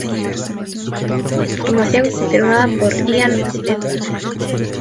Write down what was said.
Formación confirmada por Ian MacDonald.